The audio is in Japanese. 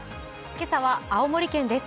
今朝は青森県です。